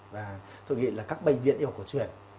và tôi nghĩ là các bệnh viện y học của truyền